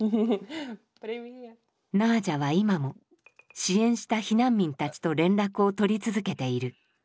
ナージャは今も支援した避難民たちと連絡を取り続けている。